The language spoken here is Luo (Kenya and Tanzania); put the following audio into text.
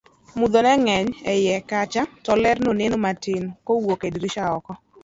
mudho neng'eny e iye kacha to ler noneno matin kawuok e drisa oko